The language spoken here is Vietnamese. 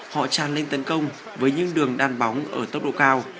họ tràn lên tấn công với những đường đan bóng ở tốc độ cao